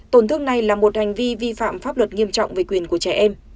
tổn thương này là một hành vi vi phạm pháp luật nghiêm trọng về quyền của trẻ em